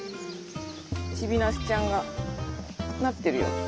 チビナスちゃんがなってるよ。